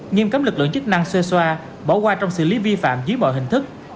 nghiêm cấm lực lượng chức năng sơ xoa bỏ qua trong xử lý vi phạm dưới mọi hình thức